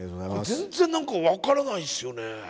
全然なんか分からないっすよね。